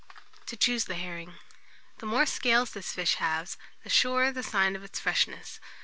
TO CHOOSE THE HERRING. The more scales this fish has, the surer the sign of its freshness.